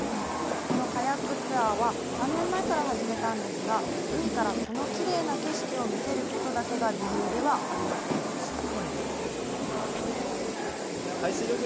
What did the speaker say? このカヤックツアーは３年前から始めたんですが、海からこのきれいな景色を見せることだけが理由ではありませんでした。